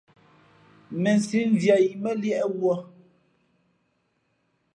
Mēnsī , mviāt yī mά liēʼ wuᾱ.